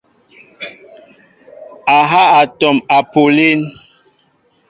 A ha atɔm apuʼ alín.